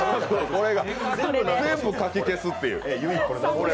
声が全部かき消すっていう。